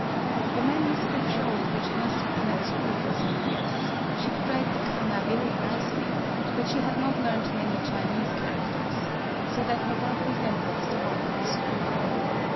The manuscript shows that she must have been at school for some years : she could write the kana very nicely, but she had not learned many Chinese characters, — so that her work resembles the work of a schoolgirl.